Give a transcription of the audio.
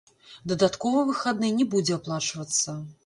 Дадатковы выхадны не будзе аплачвацца.